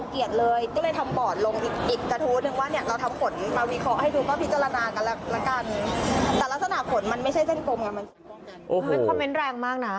คอมเมนต์แรงมากนะ